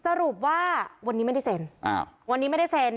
สรุปว่าวันนี้ไม่ได้เซ็น